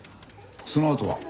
そのあとは？